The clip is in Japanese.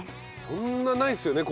そんなないですよね。